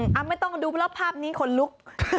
เอาไม่ต้องดูเพราะภาพนี้คนลุก